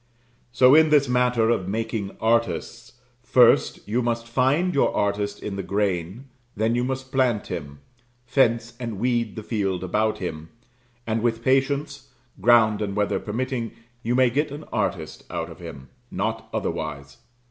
So in this matter of making artists first you must find your artist in the grain; then you must plant him; fence and weed the field about him; and with patience, ground and weather permitting, you may get an artist out of him not otherwise.